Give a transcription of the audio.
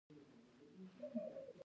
په غېږ کې يې ونيو.